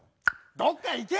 どっか行け！